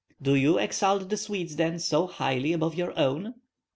"Do you exalt the Swedes, then, so highly above your own?"